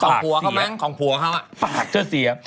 ก็ของหัวเขามั้งของหัวเขาอ่ะปากเสียปากเสีย